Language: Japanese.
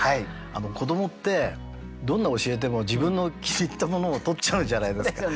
子どもってどんな教えても自分の気に入ったものを取っちゃうじゃないですか。